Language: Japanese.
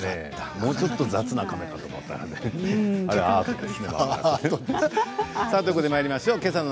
もうちょっと雑な亀かと思ったけどね。